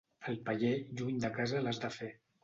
El paller, lluny de casa l'has de fer.